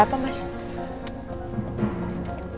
bahkan memang suka man